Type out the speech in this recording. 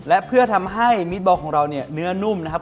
และเพื่อทำให้มีดบอลของเราเนี่ยเนื้อนุ่มนะครับ